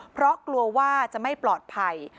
เพราะกลัวว่าจะไม่ปลอดภัย